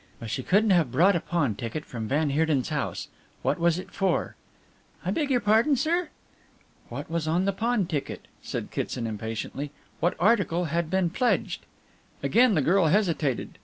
"But she couldn't have brought a pawn ticket from van Heerden's house. What was it for?" "I beg your pardon, sir." "What was on the pawn ticket?" said Kitson impatiently. "What article had been pledged?" Again the girl hesitated.